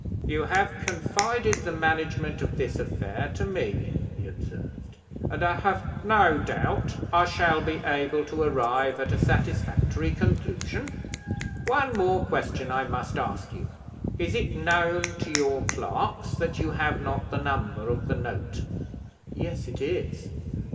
"You have confided the management of this affair to me," he observed, "and I have no doubt I shall be able to arrive at a satisfactory conclusion. One more question I must ask you. Is it known to your clerks that you have not the number of the note?" "Yes, it is."